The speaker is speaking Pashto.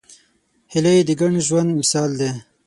هیلۍ د ګډ ژوند مثال ده